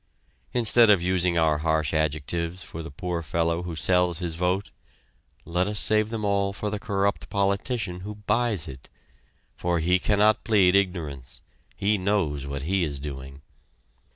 Instead of using our harsh adjectives for the poor fellow who sells his vote, let us save them all for the corrupt politician who buys it, for he cannot plead ignorance he knows what he is doing.